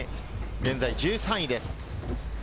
現在、１３位です。